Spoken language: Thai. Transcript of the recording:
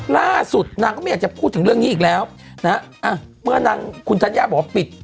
ล่าสุดนางก็ไม่อยากจะพูดถึงเรื่องนี้อีกแล้วนะฮะอ่ะเมื่อนางคุณธัญญาบอกว่าปิด